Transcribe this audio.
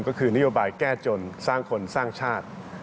ก็คือนโยบายแก้จนสร้างคนสร้างชาติ